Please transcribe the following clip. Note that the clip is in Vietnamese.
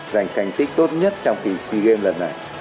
giành thành tích tốt nhất trong kỳ sea games lần này